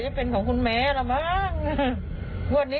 ไล่ตีแม่ในบ้านหลังนั้น